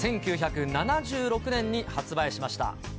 １９７６年に発売しました。